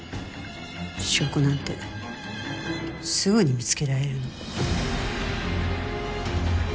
証拠なんてすぐに見つけられるの。